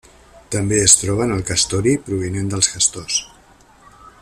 També es troba en el castori provinent dels castors.